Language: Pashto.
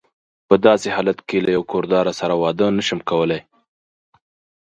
په داسې حالت کې له یوه کور داره سره واده نه شم کولای.